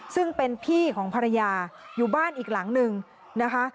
ซึ่งเป็นพี่ของภรรยาอยู่บ้านอีกหลังหนึ่งนะคะ